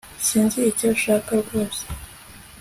Sinzi icyo ushaka rwose